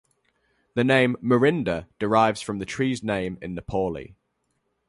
The name "morinda" derives from the tree's name in Nepali.